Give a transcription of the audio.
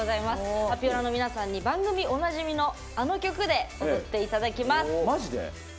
アピオラの皆さんに番組おなじみのあの曲で踊っていただきます。